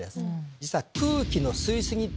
実は。